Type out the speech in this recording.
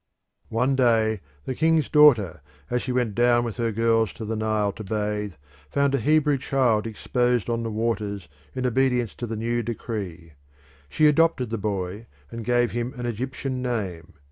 One day the king's daughter, as she went down with her girls to the Nile to bathe, found a Hebrew child exposed on the waters in obedience to the new decree. She adopted the boy and gave him an Egyptian name.